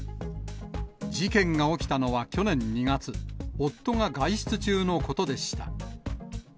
事件が起きたのは去年２月、夫が外出中のことでした。